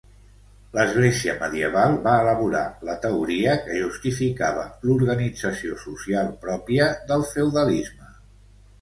L'església medieval va elaborar la teoria que justificava l'organització social pròpia del feudalisme.